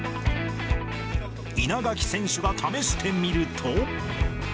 稲垣選手が試してみると。